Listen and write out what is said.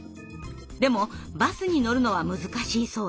でもバスに乗るのは難しいそうです。